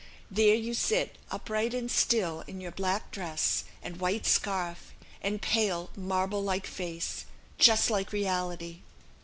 There you sit, upright and still in your black dress, and white scarf, and pale marble like face just like reality.